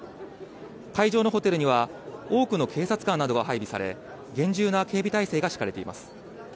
会場のホテルには、多くの警察官などが配備され、厳重な警備態勢が敷かれています。